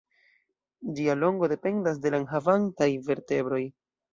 Ĝia longo dependas de la enhavantaj vertebroj.